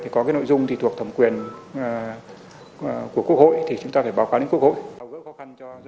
có nội dung thuộc thẩm quyền của quốc hội thì chúng ta phải báo cáo đến quốc hội